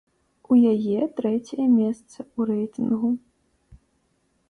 У яе трэцяе месца ў рэйтынгу.